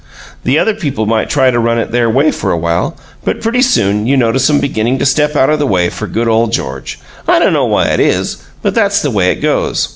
The other people might try to run it their way for a while, but pretty soon you notice 'em beginning to step out of the way for good ole George. I dunno why it is, but that's the way it goes.